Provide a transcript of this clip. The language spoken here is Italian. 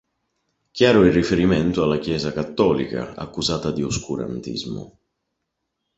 Chiaro il riferimento alla Chiesa cattolica, accusata di oscurantismo.